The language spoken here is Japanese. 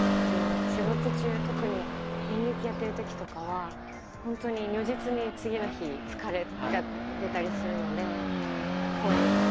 仕事中特に演劇やってるときとかは本当に如実に次の日疲れが出たりするので声とか。